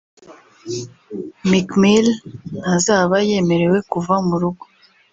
Meek Mill ntazaba yemerewe kuva mu rugo